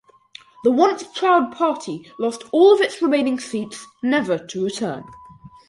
The once-proud party lost all of its remaining seats, never to return.